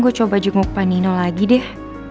gue coba jenguk pak nino lagi deh